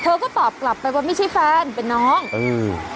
ก็ตอบกลับไปว่าไม่ใช่แฟนเป็นน้องเออ